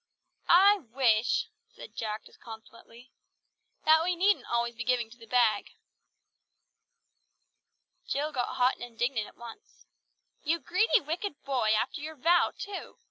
"I wish," said Jack discontentedly, "that we needn't always be giving to the Bag." Jill got hot and indignant at once. "You greedy, wicked boy, after your vow too.